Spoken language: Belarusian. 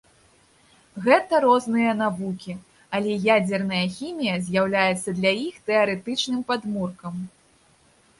Гэта розныя навукі, але ядзерная хімія з'яўляецца для іх тэарэтычным падмуркам.